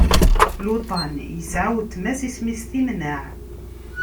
Luṭan yesɛa weltma-s isem-is Timnaɛ.